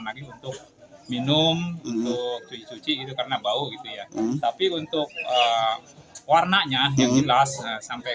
lagi untuk minum untuk cuci cuci itu karena bau gitu ya tapi untuk warnanya yang jelas sampai